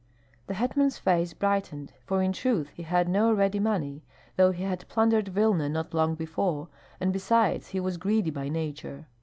The hetman's face brightened; for in truth he had no ready money, though he had plundered Vilna not long before, and, besides, he was greedy by nature.